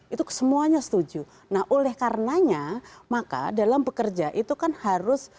itu semuanya setuju nah oleh karenanya maka dalam bekerja itu kan harus